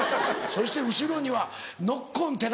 そして後ろにはノッコン寺田。